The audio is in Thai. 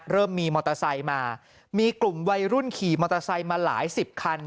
เริ่มมีมอเตอร์ไซค์มามีกลุ่มวัยรุ่นขี่มอเตอร์ไซค์มาหลายสิบคัน